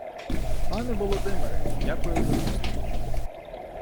Пане Володимире, дякую за зустріч.